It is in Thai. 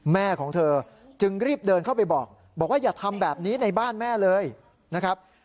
แม่ของเธอจึงรีบเดินเข้าไปบอกบอกว่าอย่าทำแบบนี้ในบ้านแม่เลยนะครับ